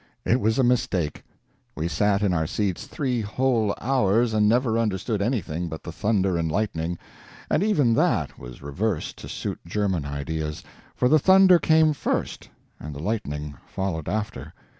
It was a mistake. We sat in our seats three whole hours and never understood anything but the thunder and lightning; and even that was reversed to suit German ideas, for the thunder came first and the lightning followed after.